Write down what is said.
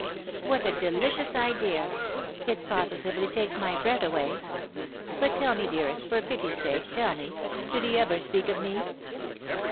" "What a delicious idea ! It positively takes my breath away. But tell me, dearest, for pity's sake, tell me, did he ever speak of me